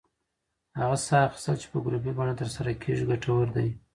هغه ساه اخیستل چې په ګروپي بڼه ترسره کېږي، ګټور دی.